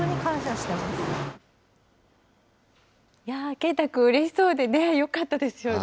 啓太くん、うれしそうでね、よかったですよね。